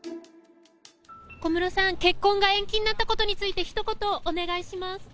小室さん、結婚が延期になったことについて、ひと言お願いします。